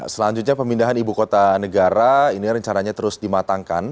selanjutnya pemindahan ibu kota negara ini rencananya terus dimatangkan